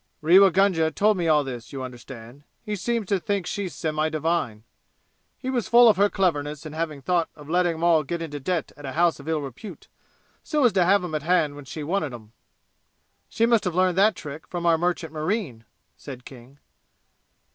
Rewa Gunga told me all this, you understand. He seems to think she's semi divine. He was full of her cleverness in having thought of letting 'em all get into debt at a house of ill repute, so as to have 'em at hand when she wanted 'em." "She must have learned that trick from our merchant marine," said King.